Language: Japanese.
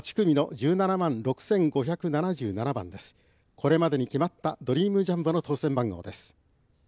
これまでに決まったドリームジャンボの当せん番号です。